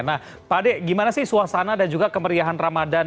nah pak ade gimana sih suasana dan juga kemeriahan ramadan